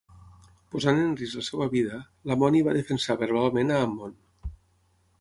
Posant en risc la seva vida, Lamoni va defensar verbalment a Ammon.